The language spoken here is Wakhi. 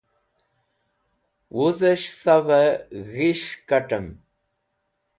wuz'esh sav'ey g̃his̃h kat'em